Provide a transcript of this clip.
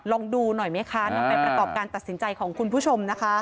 ลองดูหน่อยไหมคะนำไปประกอบการตัดสินใจของคุณผู้ชมนะคะ